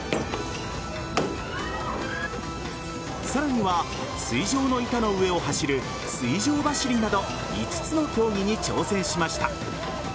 さらには水上の板の上を走る水上走りなど５つの競技に挑戦しました。